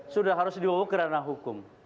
sudah harus dibawa ke ranah hukum